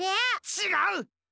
ちがう！